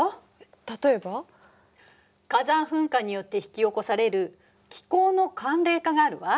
例えば？火山噴火によって引き起こされる気候の寒冷化があるわ。